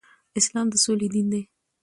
اسلام د سولې دين دی